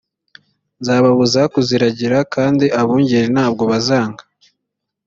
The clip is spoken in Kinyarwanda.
nzababuza kuziragira kandi abungeri ntabwo bazanga